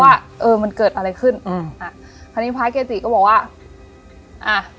ว่าเออมันเกิดอะไรขึ้นอืมอ่าคราวนี้พระเกจิก็บอกว่าอ่า